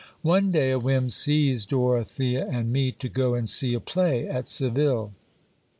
One day a whim seized Dorothea and me, to go and see a play at Seville.